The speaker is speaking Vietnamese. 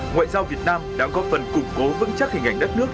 ngoại giao việt nam đã góp phần củng cố vững chắc hình ảnh đất nước